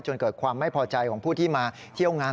เกิดความไม่พอใจของผู้ที่มาเที่ยวงาน